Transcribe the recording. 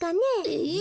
えっ？